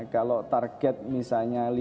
kalau target misalnya